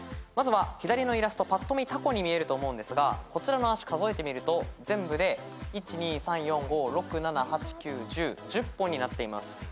まずは左のイラストぱっと見たこに見えると思うんですがこちらの足数えてみると全部で１２３４５６７８９１０。１０本になっています。